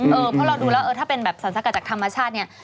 เพราะเราดูแล้วเออถ้าเป็นแบบสรรสกัดจากธรรมชาติเนี่ย